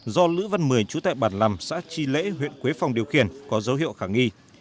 do lữ văn mười chú tại bản lằm xã tri lễ huyện quế phong điều khiển có dấu hiệu khả nghi